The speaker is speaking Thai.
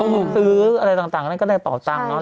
ซื้ออะไรต่างก็ได้เป่าตังเนอะ